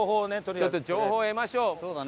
ちょっと情報を得ましょう。